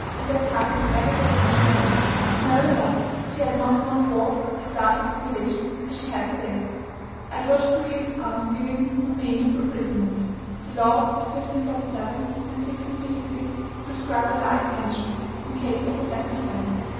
At that time beggars were punished by law." Nevertheless, she had not one fourth as large a population as she has to day. "Edward prohibits alms giving, on pain of imprisonment.... The laws of 1547 and 1656 prescribe a like punishment, in case of a second offence.